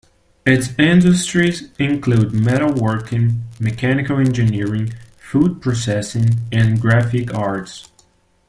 Its industries include metalworking, mechanical engineering, food processing and graphic arts.